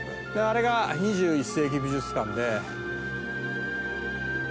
あれが２１世紀美術館で。